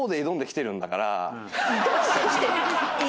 ⁉挑んできてるんだから。